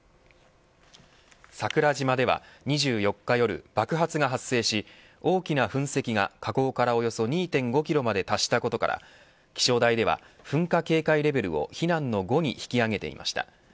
桜島では２４日夜爆発が発生し、大きな噴石が火口からおよそ２．５キロまで達したことから気象台では、噴火警戒レベルを避難の５に引き上げていました。